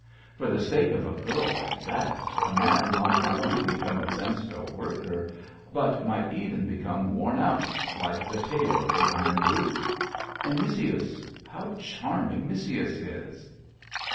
"For the sake of a girl like that a man might not only become a Zemstvo worker, but might even become worn out, like the tale of the iron boots. And Missyuss? How charming Missyuss is!"